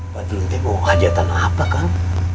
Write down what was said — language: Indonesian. badrun mau hajatan apa kang